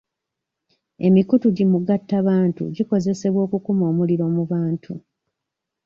Emikutu gimugattabantu gikozesebwa okukuma omuliro mu bantu.